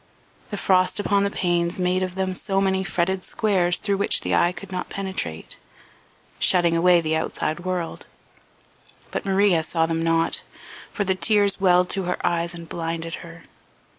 The frost upon the panes made of them so many fretted squares through which the eye could not penetrate, shutting away the outside world; but Maria saw them not, for the tears welled to her eyes and blinded her.